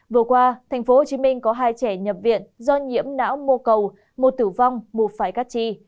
vừa qua tp hcm có hai trẻ nhập viện do nhiễm não mô cầu một tử vong một phải cắt chi